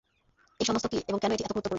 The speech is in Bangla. এই সমস্ত কি এবং কেন এটি এত গুরুত্বপূর্ণ?